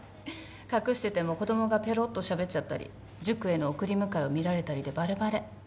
隠してても子供がぺろっとしゃべっちゃったり塾への送り迎えを見られたりでバレバレ。